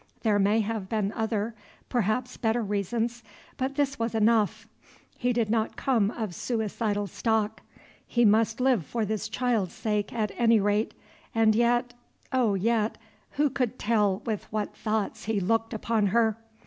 There may have been other, perhaps better reasons, but this was enough; he did not come of suicidal stock. He must live for this child's sake, at any rate; and yet, oh, yet, who could tell with what thoughts he looked upon her?